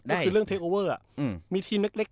ก็คือเรื่องเทคโอเวอร์มีทีมเล็ก